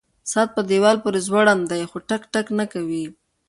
ساعت په دیوال پورې ځوړند دی خو ټک ټک نه کوي.